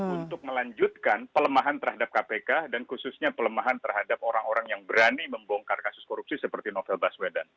untuk melanjutkan pelemahan terhadap kpk dan khususnya pelemahan terhadap orang orang yang berani membongkar kasus korupsi seperti novel baswedan